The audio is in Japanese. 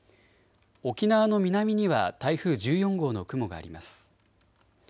沖縄の南には台風１４号の雲があります。